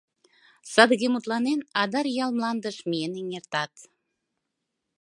Садыге мутланен, Адар ял мландыш миен эҥертат.